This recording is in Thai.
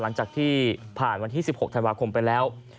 หลังจากที่ผ่านวันที่๑๖ธันวาคมไปแล้ว